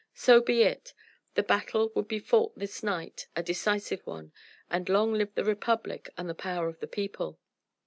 So be it! The battle would be fought this night a decisive one and long live the Republic and the power of the people!